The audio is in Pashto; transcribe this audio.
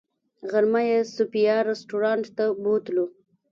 غرمه یې صوفیا رسټورانټ ته بوتلو.